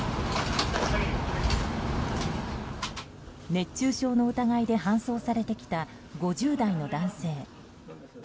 熱中症の疑いで搬送されてきた５０代の男性。